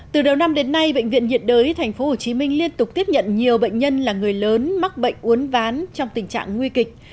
từ đầu năm đến nay bệnh viện nhiệt đới tp hcm liên tục tiếp nhận nhiều bệnh nhân là người lớn mắc bệnh uốn ván trong tình trạng nguy kịch